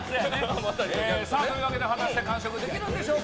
というわけで、果たして完食できるでしょうか。